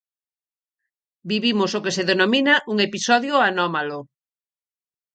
Vivimos o que se denomina un episodio anómalo.